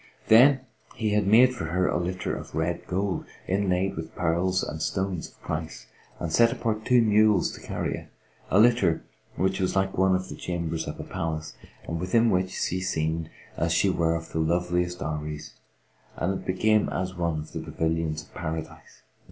Then he had made for her a litter of red gold, inlaid with pearls and stones of price, and set apart two mules to carry it; a litter which was like one of the chambers of a palace, and within which she seemed as she were of the loveliest Houris and it became as one of the pavilions of Paradise.